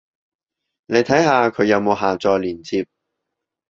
你睇下佢有冇下載連接